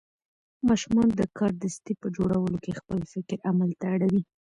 ماشومان د کاردستي په جوړولو کې خپل فکر عمل ته اړوي.